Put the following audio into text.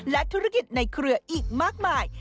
และธุรกิจในเครืออีกมากมาย